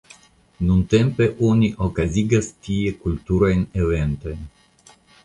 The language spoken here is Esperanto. Nuntempe oni okazigas tie kulturajn eventojn.